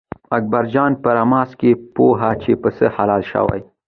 اکبر جان په رمازه کې پوهوه چې پسه حلال شوی.